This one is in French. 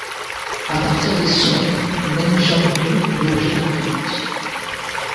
À partir des Song, Meng Jiangnü est l'objet d'un culte.